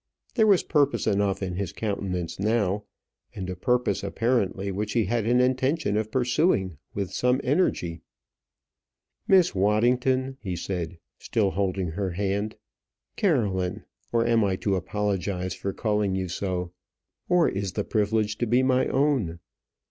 There was purpose enough in his countenance now, and a purpose, apparently, which he had an intention of pursuing with some energy. "Miss Waddington," he said, still holding her hand; "Caroline! Or am I to apologize for calling you so? or is the privilege to be my own?"